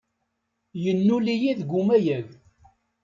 Yennul-iyi deg umayeg.